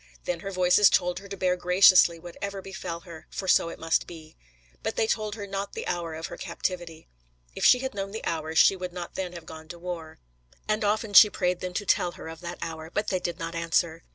Then her Voices told her to bear graciously whatever befell her, for so it must be. But they told her not the hour of her captivity. "If she had known the hour she would not then have gone to war. And often she prayed them to tell her of that hour, but they did not answer."